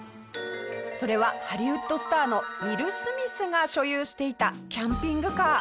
それはハリウッドスターのウィル・スミスが所有していたキャンピングカー。